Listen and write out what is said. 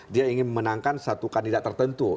dia ingin memenangkan satu kandidat tertentu